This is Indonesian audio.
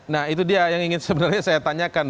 nah itu dia yang ingin sebenarnya saya tanyakan